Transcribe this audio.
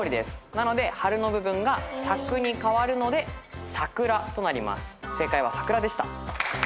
なので「はる」の部分が「さく」にかわるので「さくら」となります。